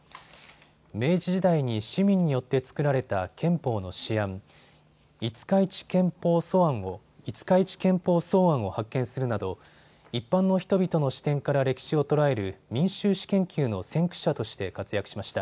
明治時代に市民によって作られた憲法の私案、五日市憲法草案を発見するなど一般の人々の視点から歴史を捉える民衆史研究の先駆者として活躍しました。